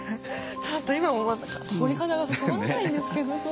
ちょっと今も鳥肌が止まらないんですけどそう！